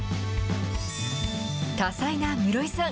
多才な室井さん。